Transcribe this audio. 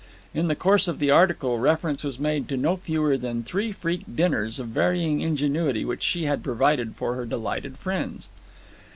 In the course of the article reference was made to no fewer than three freak dinners of varying ingenuity which she had provided for her delighted friends.